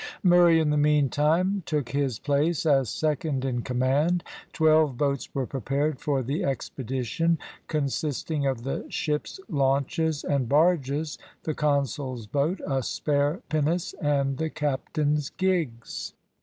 Murray, in the meantime, took his place as second in command. Twelve boats were prepared for the expedition, consisting of the ships' launches and barges, the consul's boat, a spare pinnace, and the captains' gigs.